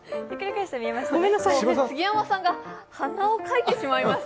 杉山さんが、鼻をかいてしまいました。